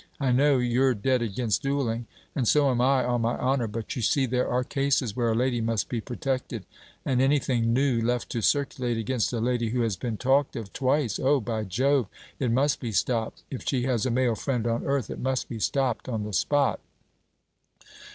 I know you 're dead against duelling; and so am I, on my honour. But you see there are cases where a lady must be protected; and anything new, left to circulate against a lady who has been talked of twice Oh, by Jove! it must be stopped. If she has a male friend on earth, it must be stopped on the spot.'